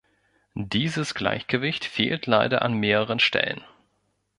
Dieses Gleichgewicht fehlt leider an mehreren Stellen.